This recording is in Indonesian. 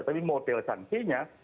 tapi model sanksinya